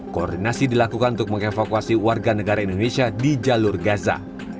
koordinasi dilakukan untuk mengevakuasi warga negara indonesia di jalur gaza